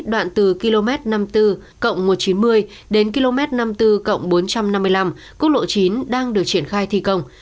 đoạn từ km năm mươi bốn một trăm chín mươi đến km năm mươi bốn bốn trăm năm mươi năm quốc lộ chín đang được triển khai thi công